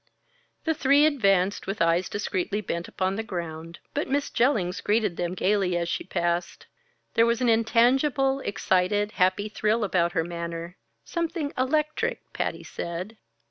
The three advanced with eyes discreetly bent upon the ground, but Miss Jellings greeted them gaily as she passed. There was an intangible, excited, happy thrill about her manner something electric, Patty said.